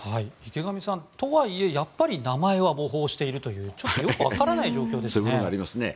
池上さん、とはいえやっぱり名前は模倣しているというちょっとよくわからない状況ですね。